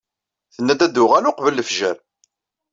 Tenna-d ad tuɣal qbel lefjer.